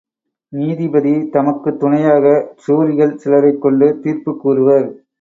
நீதிபதி தமக்குத் துணையாக ஜூரிகள் சிலரைக கொண்டு தீர்ப்புக் கூறுவர்.